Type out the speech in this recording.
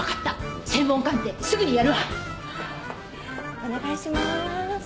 お願いしまーす。